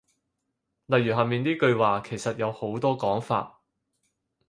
例如下面呢句話其實有好多講法